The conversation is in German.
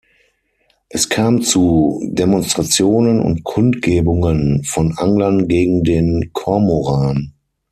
Es kam zu Demonstrationen und Kundgebungen von Anglern gegen den Kormoran.